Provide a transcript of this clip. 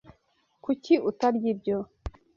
Kuki utarya ibyo?